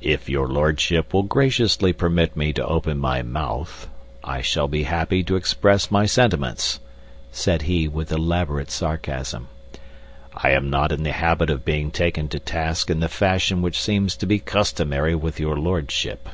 "If your lordship will graciously permit me to open my mouth, I shall be happy to express my sentiments," said he, with elaborate sarcasm. "I am not in the habit of being taken to task in the fashion which seems to be customary with your lordship.